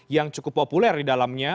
yang cukup populer di dalamnya